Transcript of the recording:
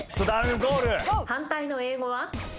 反対の英語は？